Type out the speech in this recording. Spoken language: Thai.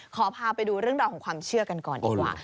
ขอพาไปดูเรื่องราวของความเชื่อกันก่อนดีกว่า